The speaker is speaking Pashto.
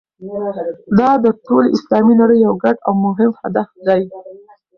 دا د ټولې اسلامي نړۍ یو ګډ او مهم هدف دی.